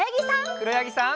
くろやぎさん。